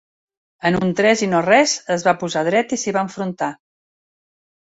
En un tres i no res, es va posar dret i s'hi va enfrontar.